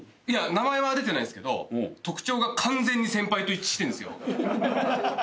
いや名前は出てないですけど特徴が完全に先輩と一致してんですよ。